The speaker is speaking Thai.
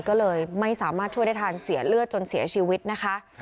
ก็เลยไม่สามารถช่วยได้ทันเสียเลือดจนเสียชีวิตนะคะ